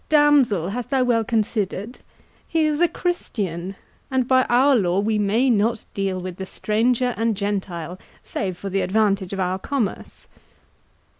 —damsel, hast thou well considered?—he is a Christian, and by our law we may not deal with the stranger and Gentile, save for the advantage of our commerce."